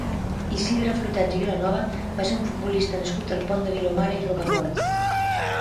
Isidre Flotats i Vilanova va ser un futbolista nascut al Pont de Vilomara i Rocafort.